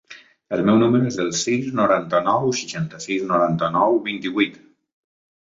El meu número es el sis, noranta-nou, seixanta-sis, noranta-nou, vint-i-vuit.